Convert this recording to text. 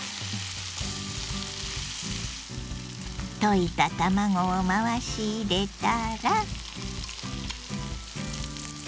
溶いた卵を回し入れたら。